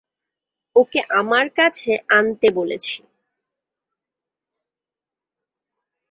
ওকে আমার কাছে আনতে বলেছি!